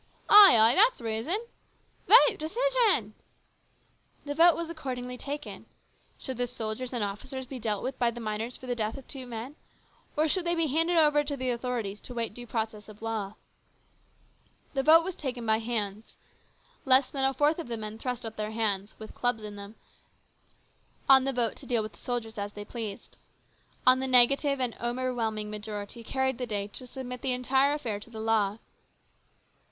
Ay, ay, that's reason ! Vote ! Decision !" The vote was accordingly taken. Should the soldiers and officers be dealt with by the miners for the death of the two men, or should they be handed over to the authorities to await due process of law ? The vote was taken by hands. Less than a fourth of the men thrust up their hands, with clubs in them, on the vote to deal with the soldiers as they pleased. On the negative an overwhelming majority carried the day to submit the entire affair to the law.